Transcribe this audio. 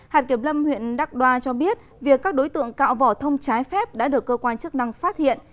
hạt kiểm lâm huyện đắk đoa cho biết việc các đối tượng cạo vỏ thông trái phép đã được cơ quan chức năng phát hiện